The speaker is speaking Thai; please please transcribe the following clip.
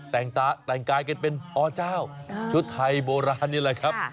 แต่งแต่งกายกันเป็นอเจ้าชุดไทยโบราณนี่แหละครับ